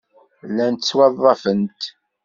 Llant ttwaḍḍafent.